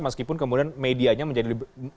meskipun kemudian medianya menjadi